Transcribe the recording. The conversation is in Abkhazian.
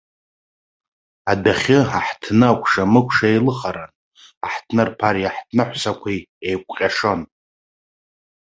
Адәахьы аҳҭны акәша-мыкәша еилыхаран, аҳҭнырԥари аҳҭныҳәсақәеи еикәҟьашон.